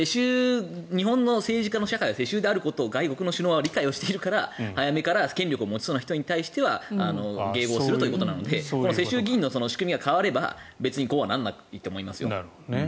日本の政治家は世襲が多いということを外国の要人がそれを理解をしているから早めから権力を持ちそうな人に対しては迎合するということなので世襲議員の仕組みが変われば別にこうはならないと思いますよ。